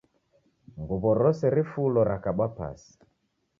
Nguwo rose rifulo rakabwa pasi